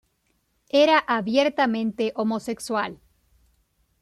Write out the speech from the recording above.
Era abiertamente homosexual.